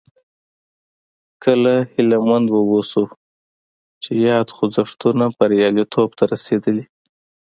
کله هیله مند واوسو چې یاد خوځښتونه بریالیتوب ته رسېدلي.